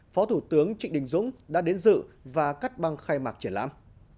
phó thủ tướng trịnh đình dũng đã đến dự và cắt băng khai mạc triển lãm